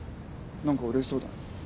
何かうれしそうだな。